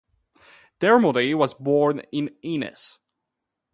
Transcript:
Dermody was born in Ennis.